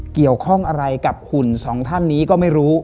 เกี่ยวข้องอะไรกับหุ่นสองท่านนี้ก็ไม่รู้